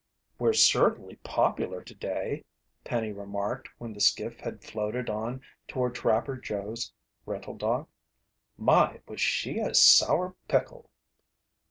"We're certainly popular today," Penny remarked when the skiff had floated on toward Trapper Joe's rental dock. "My, was she a sour pickle!"